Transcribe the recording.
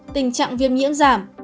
tình trạng viêm nhiễm giảm